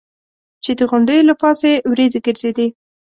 چې د غونډیو له پاسه یې ورېځې ګرځېدې.